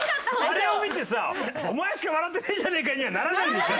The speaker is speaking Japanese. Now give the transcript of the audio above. あれを見てさ「お前しか笑ってねえじゃねえか！」にはならないでしょ？